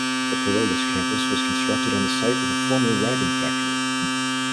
The Perolles campus was constructed on the site of a former wagon factory.